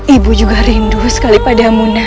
ibu juga rindu sekali padamu nak